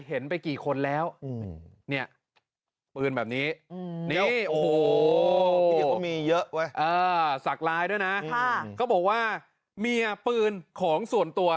เห็นไปกี่คนแล้วปืนแบบนี้นี่โอ้โหเยอะไหว